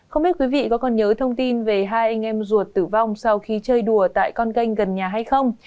không biết quý vị có còn nhớ thông tin về hai anh em ruột tử vong sau khi chơi đùa tại con kênh gần nhà hay không